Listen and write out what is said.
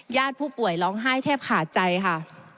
ญาติผู้ป่วยร้องไห้แทบขาดใจค่ะ